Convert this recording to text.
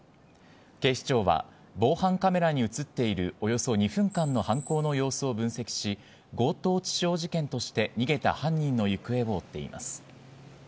警視庁は、防犯カメラに写っているおよそ２分間の犯行の様子を分析し、強盗致傷事件として、逃げた犯人の行方を追っています。